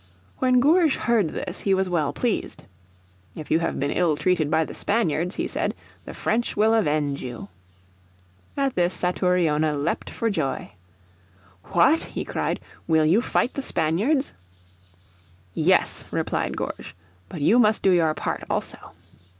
When Gourges heard this he was well pleased. "If you have been ill treated by the Spaniards," he said, "the French will avenge you." At this Satouriona, leaped for joy. "What!" he cried, "will you fight the Spaniards?" "Yes," replied Gourges, "but you must do your part also."